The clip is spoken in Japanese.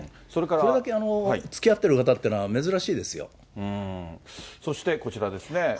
これだけつきあってる方っていうそして、こちらですね。